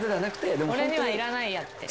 俺にはいらないやって。